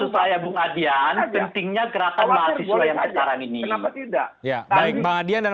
jauh hari sebelum